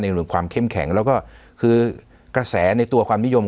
เรื่องความเข้มแข็งแล้วก็คือกระแสในตัวความนิยม